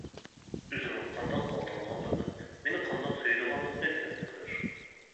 ئۆزىنىڭ قانداق ئالدانغانلىقى، مېنى قانداق سۆيىدىغانلىقى دېگەندەكلەر.